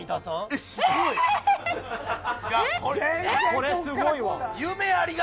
これすごいわ！